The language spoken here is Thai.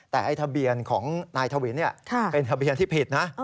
แต่ทะเบียนของนายถวินเนี่ยเป็นทะเบียนที่ผิดนะ